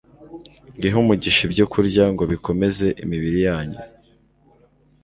ngo ihe umugisha ibyokurya ngo bikomeze imibiri yanyu